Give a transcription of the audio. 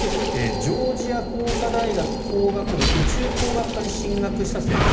ジョージア工科大学工学部宇宙工学科に進学した生徒。